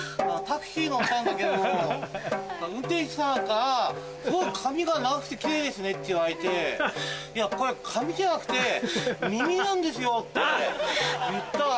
タクシー乗ったんだけど運転手さんから髪が長くてキレイですねって言われていやこれ髪じゃなくて耳なんですよって言ったら。